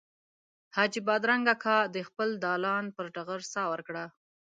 حاجي بادرنګ اکا د خپل دالان پر ټغر ساه ورکړه.